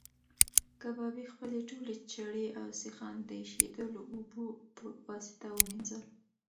کبابي خپلې ټولې چړې او سیخان د ایشېدلو اوبو په واسطه ومینځل.